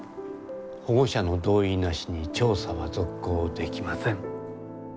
保護者の同意なしに調査は続行できません。